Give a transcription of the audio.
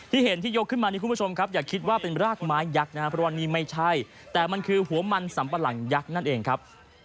เห็นที่ยกขึ้นมานี่คุณผู้ชมครับอย่าคิดว่าเป็นรากไม้ยักษ์นะครับเพราะว่านี่ไม่ใช่แต่มันคือหัวมันสัมปะหลังยักษ์นั่นเองครับ